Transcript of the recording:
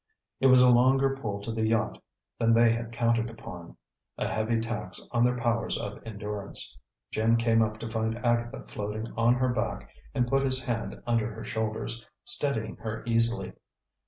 It was a longer pull to the yacht than they had counted upon, a heavy tax on their powers of endurance. Jim came up to find Agatha floating on her back and put his hand under her shoulders, steadying her easily.